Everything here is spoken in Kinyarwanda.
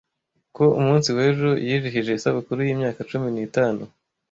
Ku munsi w'ejo yijihije isabukuru y'imyaka cumi n'itanu.